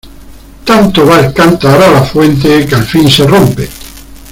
Tanto va el cántaro a la fuente que al fin se rompe.